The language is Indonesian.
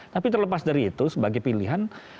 tapi terlepas dari itu sebagai pilihan